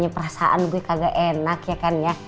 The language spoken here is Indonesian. perasaan gue kagak enak ya kan ya